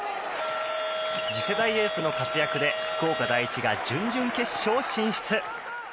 次世代エースの活躍で福岡第一が準々決勝進出！